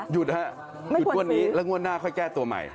ฮะหยุดงวดนี้แล้วงวดหน้าค่อยแก้ตัวใหม่